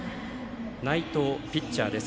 内藤、ピッチャーです。